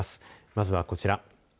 まずは、こちら。